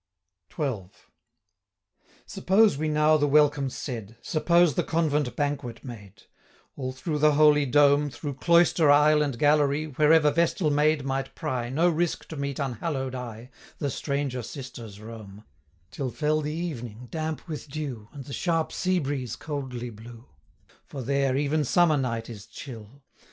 XII. Suppose we now the welcome said, 215 Suppose the Convent banquet made: All through the holy dome, Through cloister, aisle, and gallery, Wherever vestal maid might pry, No risk to meet unhallow'd eye, 220 The stranger sisters roam: Till fell the evening damp with dew, And the sharp sea breeze coldly blew, For there, even summer night is chill.